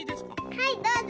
はいどうぞ。